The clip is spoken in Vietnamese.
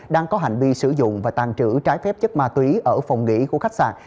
đang có hành vi sử dụng và tàn trữ trái phép chất ma túy ở phòng nghỉ của khách sạn